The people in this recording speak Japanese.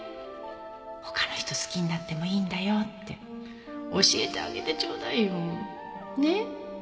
他の人好きになってもいいんだよって教えてあげてちょうだいよ。ね？